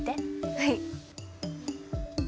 はい。